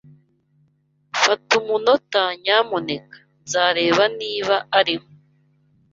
Fata umunota, nyamuneka. Nzareba niba arimo.